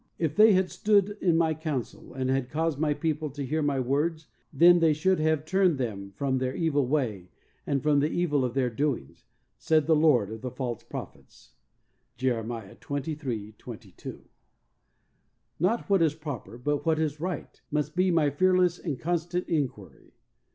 "If they had stood i;i My counsel and had caused My people to hear My words then they should have turned them from their evil way and from the evil of their doings," said the Lord of the false prophets. Jeremiah 23 : 22. "Not what is proper but what is right, must be my fearless and constant inquiry.